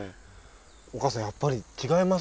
お母さんやっぱり違います？